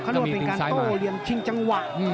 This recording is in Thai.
ขนวดเปลี่ยนการโตเรียนชิงจังหวะ